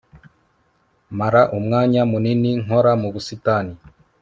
mara umwanya munini nkora mu busitani